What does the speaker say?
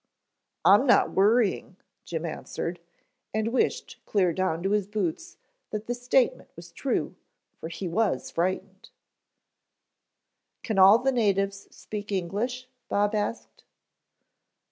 "I'm not worrying," Jim answered, and wished clear down to his boots that the statement was true, for he was frightened. "Can all the natives speak English?" Bob asked.